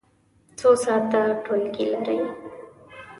څو ساعته ټولګی لرئ؟